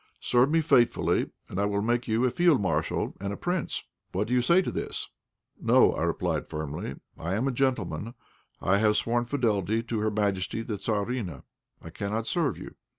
Serve me faithfully, and I will make you a field marshal and a prince. What do you say to this?" "No," I replied, firmly. "I am a gentleman. I have sworn fidelity to Her Majesty the Tzarina; I cannot serve you.